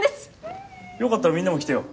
よかったらみんなも来てよ。